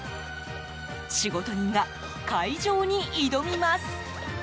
仕事人が開錠に挑みます。